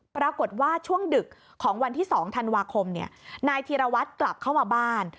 ปรากฏว่าช่วงดึกของวันที่๒ธันวาคมนายธีรวัตรกลับเข้ามาบ้าน